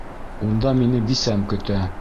Унда мине бисәм көтә!